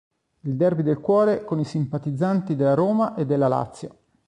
Il Derby del cuore con i simpatizzanti della Roma e della Lazio.